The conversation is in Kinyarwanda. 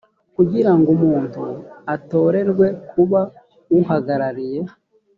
kugira ngo umuntu atorerwe kuba uhagarariye